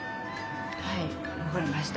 はいわかりました。